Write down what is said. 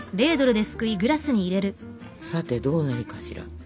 さてどうなるかしら？